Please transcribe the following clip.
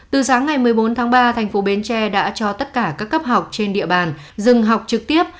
từ sáng ngày một mươi bốn tháng ba thành phố bến tre đã cho tất cả các cấp học trên địa bàn dừng học trực tiếp